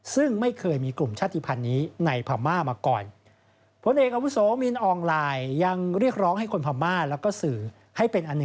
ซึ่งไม่เคยมีกลุ่มชาติภัณฑ์นี้ในพม่ามาก่อน